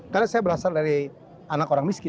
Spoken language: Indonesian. karena saya berasal dari anak orang miskin